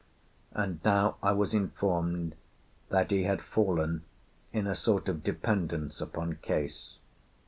And now I was informed that he had fallen in a sort of dependence upon Case.